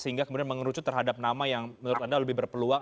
sehingga kemudian mengerucut terhadap nama yang menurut anda lebih berpeluang